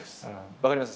分かります？